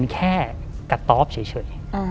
แค่กระต๊อบเฉย